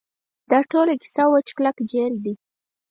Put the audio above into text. دا ټوله کیسه وچ کلک جعل دی.